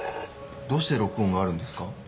どうして録音があるんですか？